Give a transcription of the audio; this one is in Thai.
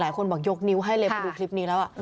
หลายคนบอกยกนิ้วให้เลยพอดูคลิปนี้แล้ว